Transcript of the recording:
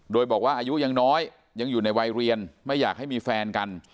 โดยบอกว่าอายุยังน้อยยังอยู่ในวัยเรียนไม่อยากให้มีแฟนกัน